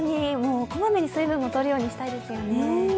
こまめに水分を取るようにしたいですよね。